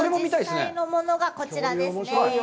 実際のものがこちらですね。